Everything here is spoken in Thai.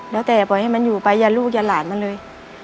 แล้วแต่ปล่อยให้มันอยู่ไปอย่าลูกอย่าหลานมันเลย